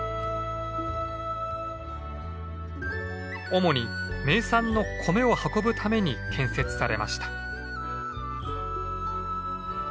主に名産の米を運ぶために建設されました。